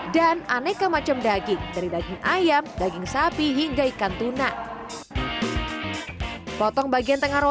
dan aneka macam daging dari daging ayam daging sasar